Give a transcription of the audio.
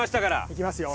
いきますよ。